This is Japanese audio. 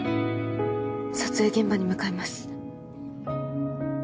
撮影現場に向かいます。